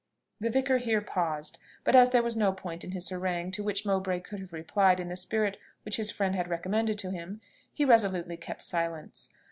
The vicar here paused; but as there was no point in his harangue to which Mowbray could have replied in the spirit which his friend had recommended to him, he resolutely kept silence.